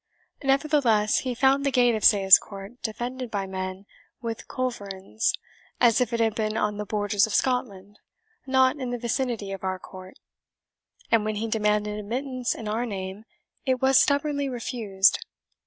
Nevertheless, he found the gate of Sayes Court defended by men with culverins, as if it had been on the borders of Scotland, not in the vicinity of our court; and when he demanded admittance in our name, it was stubbornly refused.